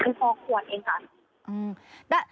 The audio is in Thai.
คือพอควรเองค่ะ